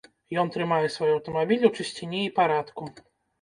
Ён трымае свой аўтамабіль у чысціні і парадку.